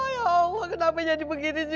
ya allah kenapa jadi begini